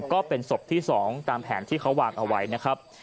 ก็เป็นศพที่๒ตามแผนที่เขาวางเอาไว้นะครับ